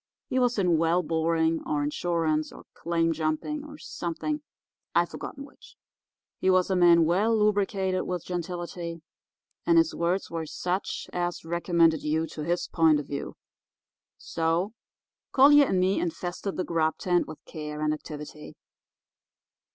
He was in well boring or insurance or claim jumping, or something—I've forgotten which. He was a man well lubricated with gentility, and his words were such as recommended you to his point of view. So, Collier and me infested the grub tent with care and activity.